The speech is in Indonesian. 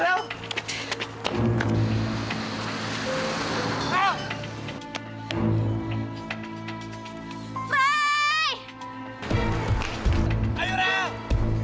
agih kehilangan mungkin insecurity nih kamu